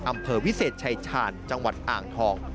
อำเภอวิเศษชายชาญจังหวัดอ่างทอง